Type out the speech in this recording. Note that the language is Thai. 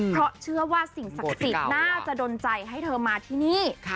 เพราะเชื่อว่าสิ่งศักดิ์สิทธิ์น่าจะดนใจให้เธอมาที่นี่